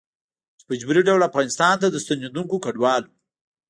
چې په جبري ډول افغانستان ته د ستنېدونکو کډوالو